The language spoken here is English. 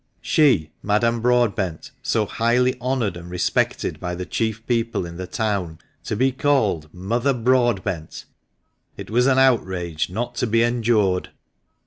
She, Madame Broadbent, so highly honoured and respected by the chief people in the town, to be called " Mother Broadbent !"— it was an outrage not to be endured